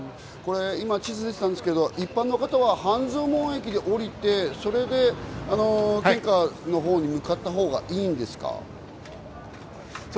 地図が出ていましたが、一般の方は半蔵門駅で降りて、それで献花のほうに向かったほうがいいんですか？